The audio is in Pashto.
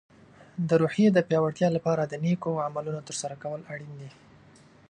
د روحیې د پیاوړتیا لپاره د نیکو عملونو ترسره کول اړین دي.